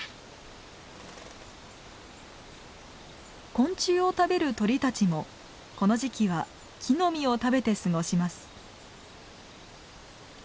昆虫を食べる鳥たちもこの時期は木の実を食べて過ごします。